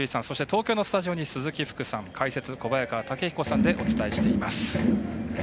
東京のスタジオの鈴木福さん解説、小早川毅彦さんでお伝えしています。